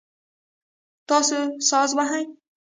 تاسو ساز وهئ؟